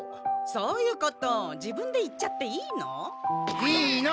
そういうこと自分で言っちゃっていいの？いいの！